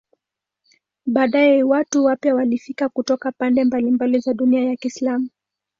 Baadaye watu wapya walifika kutoka pande mbalimbali za dunia ya Kiislamu.